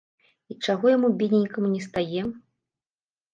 І чаго яму, бедненькаму, не стае?